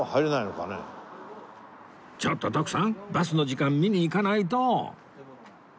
ちょっと徳さんバスの時間見に行かないと！